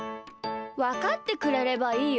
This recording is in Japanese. わかってくれればいいよ。